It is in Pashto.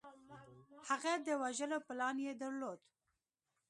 هغه د وژلو پلان یې درلود